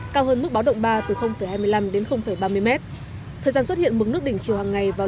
cao hơn mức báo động ba từ hai mươi năm đến ba mươi m thời gian xuất hiện mức nước đỉnh chiều hàng ngày vào